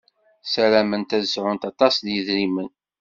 Sarament ad sɛunt aṭas n yedrimen.